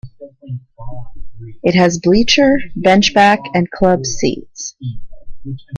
It has bleacher, bench-back, and club seats.